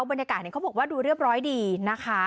บรรยากาศเขาบอกว่าดูเรียบร้อยดีนะคะ